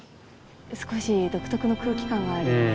少し独特の空気感があるよね。